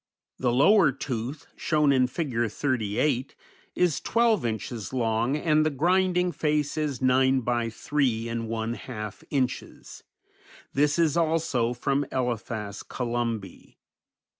The lower tooth, shown in Fig. 38, is twelve inches long, and the grinding face is nine by three and one half inches; this is also from Elephas columbi.